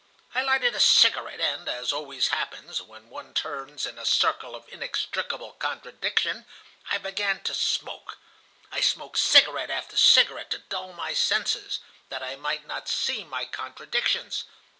I lighted a cigarette, and, as always happens, when one turns in a circle of inextricable contradiction, I began to smoke. I smoked cigarette after cigarette to dull my senses, that I might not see my contradictions.